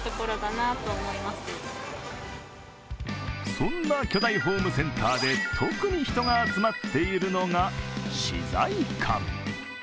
そんな巨大ホームセンターで特に人が集まっているのが資材館。